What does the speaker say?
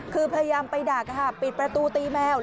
คือพยายามไปดักปิดประตูตีแมว